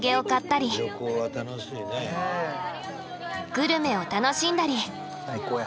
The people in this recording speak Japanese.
グルメを楽しんだり。